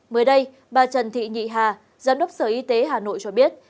mới đây bà trần thị nhị hà giám đốc sở y tế hà nội cho biết